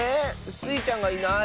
スイちゃんがいない！